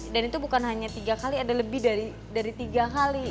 dan itu bukan hanya tiga kali ada lebih dari tiga kali